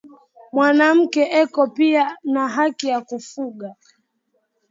Mwanamke eko piya na haki ya ku fuga